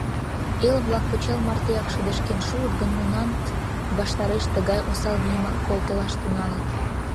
Эл-влак пычал мартеак шыдешкен шуыт гын, нунат ваштареш тыгай осал вийымак колтылаш тӱҥалыт.